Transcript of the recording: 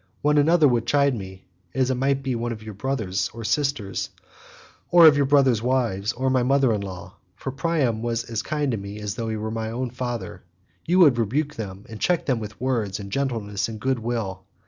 When another would chide with me, as it might be one of your brothers or sisters or of your brothers' wives, or my mother in law—for Priam was as kind to me as though he were my own father—you would rebuke and check them with words of gentleness and goodwill.